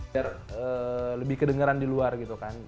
biar lebih kedengeran di luar gitu kan